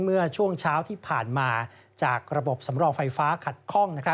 เมื่อช่วงเช้าที่ผ่านมาจากระบบสำรองไฟฟ้าขัดคล่อง